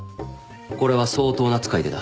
これは相当な使い手だ。